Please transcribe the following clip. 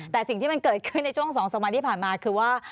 แต่สิ่งที่มันเกิดขึ้นในช่วง๒๓วันที่ผ่านมาคือว่า